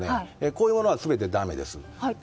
こういうものは全てだめです。